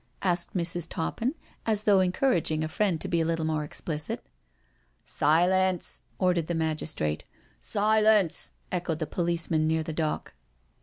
asked Mrs. Toppin, as though encouraging a friend to be a little more explicit. " Silence I" ordered the magistrate. " Silence! " echoed the policeman near the dock.